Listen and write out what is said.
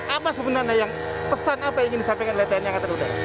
apa sebenarnya yang pesan apa yang ingin disampaikan oleh tni angkatan udara